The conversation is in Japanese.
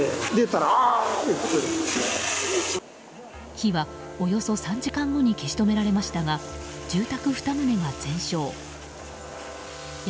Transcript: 火は、およそ３時間後に消し止められましたが住宅２棟が全焼。